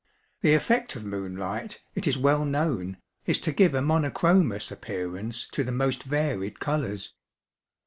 (The effect of moonlight, it is well known, is to give a monochromous appearance to the most varied colours.)